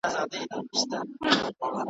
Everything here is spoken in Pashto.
نه یې پښې لامبو ته جوړي نه لاسونه .